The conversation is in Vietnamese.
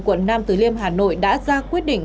quận nam từ liêm hà nội đã ra quyết định